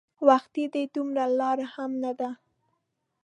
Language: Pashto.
وختي دی دومره لار هم نه ده.